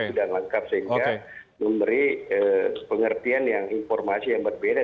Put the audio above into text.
tidak berbeda langkah sehingga memberi pengertian yang informasi yang berbeda